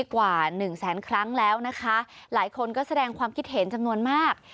กว่าหนึ่งแสนครั้งแล้วนะคะหลายคนก็แสดงความคิดเห็นจำนวนมาก